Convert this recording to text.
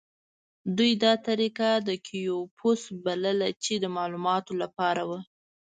دوی دا طریقه کیوپوس بلله چې د معلوماتو لپاره وه.